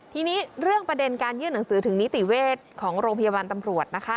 ทีนี้เรื่องประเด็นการยื่นหนังสือถึงนิติเวชของโรงพยาบาลตำรวจนะคะ